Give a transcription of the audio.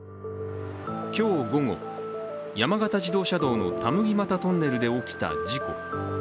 今日午後、山形自動車道の田麦俣トンネルで起きた事故。